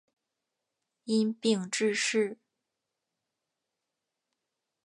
因病致仕。